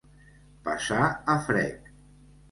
Passar a frec.